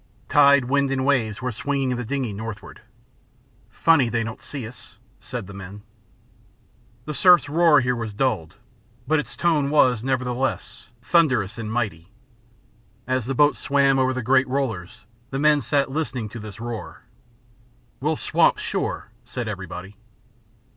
Tide, wind, and waves were swinging the dingey northward. "Funny they don't see us," said the men. The surf's roar was here dulled, but its tone was, nevertheless, thunderous and mighty. As the boat swam over the great rollers, the men sat listening to this roar. "We'll swamp sure," said everybody.